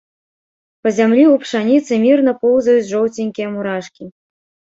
Па зямлі ў пшаніцы мірна поўзаюць жоўценькія мурашкі.